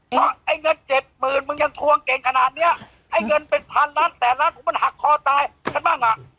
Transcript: เพราะไอ้เงินเจ็ดหมื่นมึงยังทวงเก่งขนาดเนี้ยไอ้เงินเป็นพันล้านแสนล้านของมันหักคอตายกันบ้างอ่ะ